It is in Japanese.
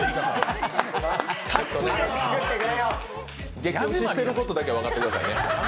激押ししていることだけ分かってくださいね。